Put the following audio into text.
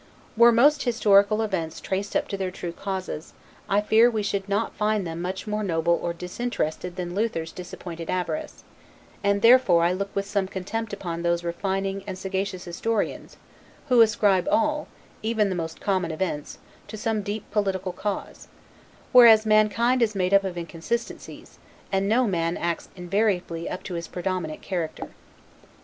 Were most historical events traced up to their true causes, I fear we should not find them much more noble or disinterested than Luther's disappointed avarice; and therefore I look with some contempt upon those refining and sagacious historians, who ascribe all, even the most common events, to some deep political cause; whereas mankind is made up of inconsistencies, and no man acts invariably up to his predominant character.